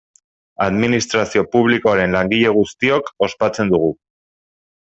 Administrazio publikoaren langile guztiok ospatzen dugu.